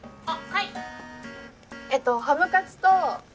はい。